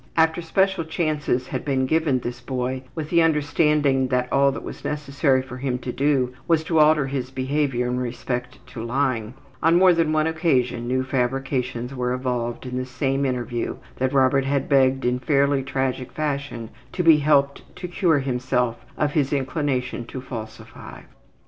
After special chances had been given this boy with the understanding that all that was necessary for him to do was to alter his behavior in respect to lying, on more than one occasion new fabrications were evolved in the same interview that Robert had begged in fairly tragic fashion to be helped to cure himself of his inclination to falsify.